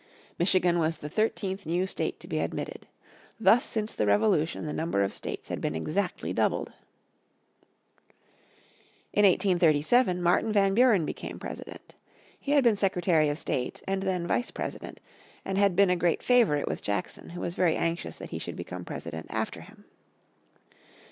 Michigan was the thirteenth new state to be admitted. Thus since the Revolution the number of states had been exactly doubled. In 1837 Martin Van Buren became President. He had been Secretary of State and then Vice President, and had been a great favourite with Jackson who was very anxious that he should become President after him.